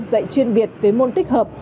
dạy chuyên biệt với môn tích hợp